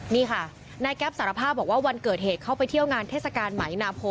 นี่ค่ะนายแก๊ปสารภาพบอกว่าวันเกิดเหตุเข้าไปเที่ยวงานเทศกาลไหมนาโพ